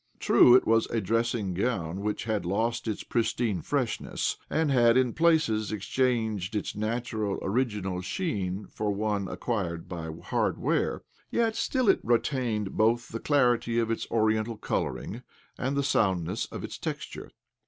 True, it was a dressing gown which had lost its pristine freshness, and had, in places, exchanged its natural, original sheen for one acquired by hard wear ; yet still it retained both the I о OBLOMOV clarity of its Oriental colouring and the soundness of its texture.